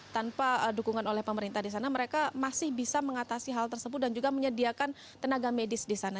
tanpa dukungan oleh pemerintah di sana mereka masih bisa mengatasi hal tersebut dan juga menyediakan tenaga medis di sana